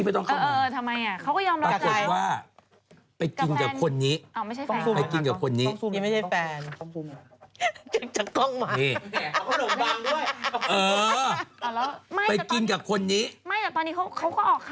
พอทุกคนมาถามอะไรรถแม่ไม่รู้เรื่องไรนะคะ